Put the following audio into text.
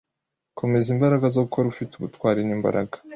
Komeza imbaraga zo gukora ufite ubutwari n'imbaraga